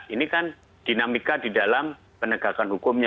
ini kan dinamika di dalam penegakan hukumnya